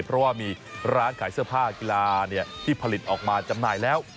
เพราะว่ามีร้านขายเสื้อผ้ากีฬาที่ผลิตออกมาจำหน่ายแล้ว